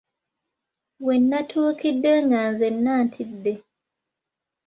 We natuukidde nga nzenna ntidde.